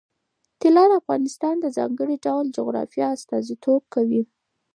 طلا د افغانستان د ځانګړي ډول جغرافیه استازیتوب کوي.